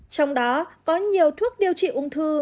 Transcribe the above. trong đó có nhiều thuốc điều trị ung thư